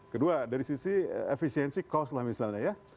kedua dari sisi efisiensi cost lah misalnya ya